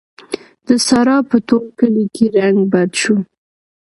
د سارا په ټول کلي کې رنګ بد شو.